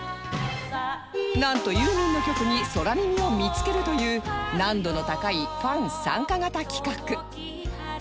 なんとユーミンの曲に空耳を見つけるという難度の高いファン参加型企画